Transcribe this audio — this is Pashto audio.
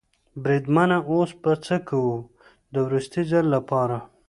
بریدمنه اوس به څه کوو؟ د وروستي ځل لپاره.